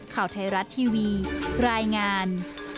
ข่าวไทยรัฐทีวีรายงาน